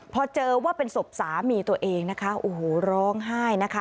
พอเจอว่าเป็นศพสามีตัวเองนะคะโอ้โหร้องไห้นะคะ